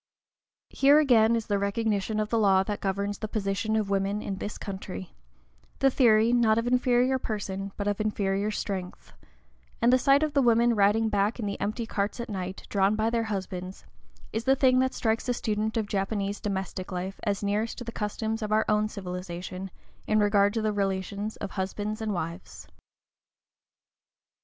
Here, again, is the recognition of the law that governs the position of woman in this country, the theory, not of inferior position, but of inferior strength; and the sight of the women riding back in the empty carts at night, drawn by their husbands, is the thing that strikes a student of Japanese domestic life as nearest to the customs of our own civilization in regard to the relations of husbands and wives.